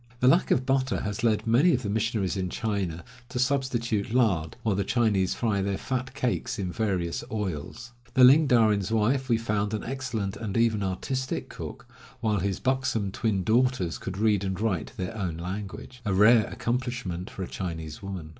The lack of butter has led many of the missionaries in China to substitute lard, while the Chinese fry their fat cakes in various oils. The Ling Darin's wife we found an excellent and even 174 Across Asia on a Bicycle artistic cook, while his buxom twin daughters could read and write their own language — a rare accomplishment for a Chinese woman.